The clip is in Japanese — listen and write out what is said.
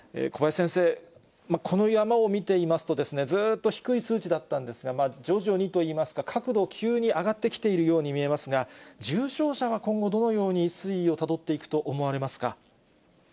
小林先生、この山を見ていますと、ずっと低い数値だったんですが、徐々にといいますか、角度、急に上がってきているように見えますが、重症者は今後、どのように推移をたどっていくと思われますか？